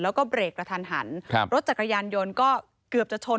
แล้วก็เบรกละทันรถจักรยานยนต์ก็เกือบจะชน